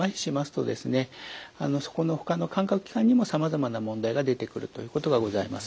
そこのほかの感覚器官にもさまざまな問題が出てくるということがございます。